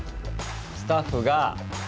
スタッフが。